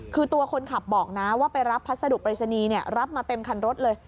คือตัวคนขับบอกนะว่าไปรับพัสดุปริศนีย์รับมาเต็มคันรถเลย